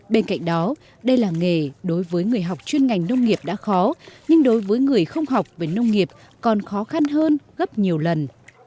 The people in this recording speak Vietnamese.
bên cạnh đó đây là nghề đối với người học chuyên ngành nông nghiệp đã khó nhưng đối với người không học về nông nghiệp còn khó khăn hơn gấp nhiều lần